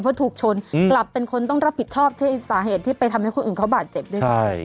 เพราะถูกชนกลับเป็นคนต้องรับผิดชอบที่สาเหตุที่ไปทำให้คนอื่นเขาบาดเจ็บด้วยซ้ำ